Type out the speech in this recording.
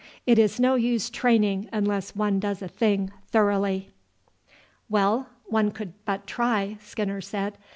It is no use training unless one does a thing thoroughly." "Well, one could but try," Skinner said.